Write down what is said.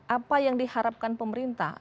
apa yang diharapkan pemerintah